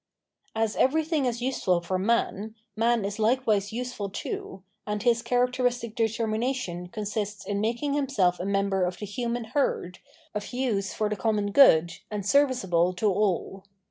As everything is useful for man, man is likewise useful too, and his characteristic determination con sists in making himself a member of the human herd, of use for the common good, and serviceable to all.